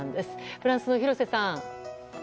フランスの廣瀬さん。